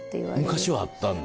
昔はあったんだ？